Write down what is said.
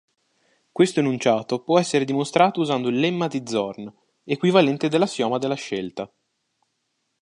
Questo enunciato può essere dimostrato usando il lemma di Zorn, equivalente all'assioma della scelta.